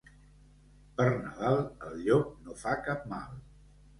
Per Nadal, el llop no fa cap mal.